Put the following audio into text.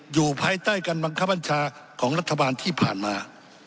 อยู่ภายใต้การบังคับบัญชาของรัฐบาลที่ผ่านมา